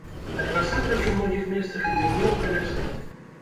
Але насамрэч у многіх месцах ідзе вырубка лясоў.